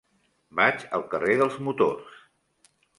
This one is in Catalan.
Vaig al carrer dels Motors.